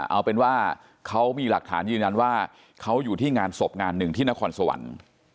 เอาเป็นว่าเขามีหลักฐานยืนยันว่าเขาอยู่ที่งานศพงานหนึ่งที่นครสวรรค์